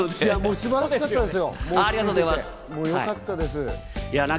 素晴らしかったですよ。